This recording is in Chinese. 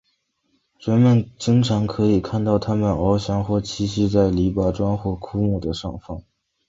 人们经常可以看到它们翱翔或栖息在篱笆桩或枯木的上方。